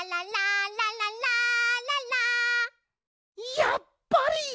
やっぱり！